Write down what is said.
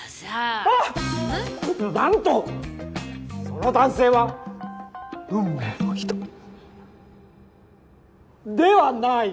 その男性は運命の人ではない！